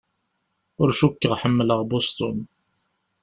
Ur cukkeɣ ḥemmleɣ Boston.